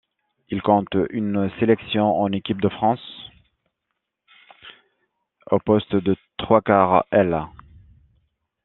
Il compte une sélection en équipe de France au poste de trois-quarts aile.